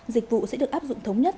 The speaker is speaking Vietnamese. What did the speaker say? dịch vụ sẽ được áp dụng thống nhất